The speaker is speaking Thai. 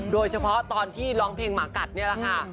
โดยเฉพาะตอนที่ร้องเพลงหมากัดนี่แหละค่ะ